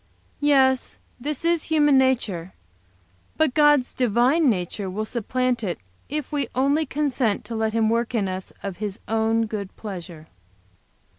"Yes, this is human nature. But God's divine nature will supplant it, if we only consent to let Him work in us of His own good pleasure."